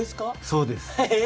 そうです。